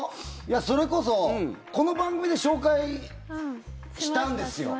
それこそこの番組で紹介したんですよ。